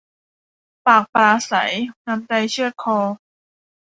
ปากปราศรัย น้ำใจเชือดคอ